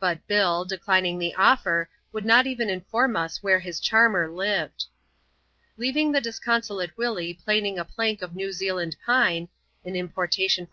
But Bill, declining the offer, would not even inform us where his charmer lived. Leaving the disconsolate Willie plsoim^ w. ^\%xJs^ ^S.^<ss« Zealand pine (axi importation from.